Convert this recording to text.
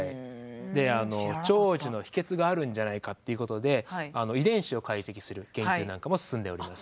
であの長寿の秘けつがあるんじゃないかっていうことで遺伝子を解析する研究なんかも進んでおります。